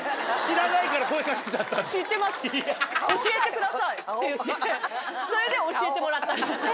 知ってます教えてくださいって言ってそれで教えてもらったんです。